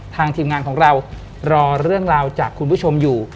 ทีมงานของเรารอเรื่องราวจากคุณผู้ชมอยู่